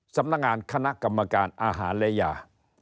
สำนักงานคณะกรรมการอาหารและยา